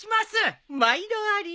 毎度あり。